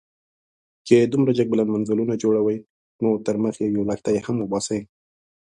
چې دومره جګ بلند منزلونه جوړوئ، نو تر مخ يې يو لښتی هم وباسئ.